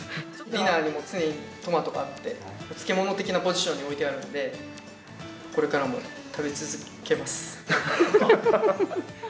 ディナーにも常にトマトがあって、漬物的なポジションに置いてあるので、これからも食べ続けます。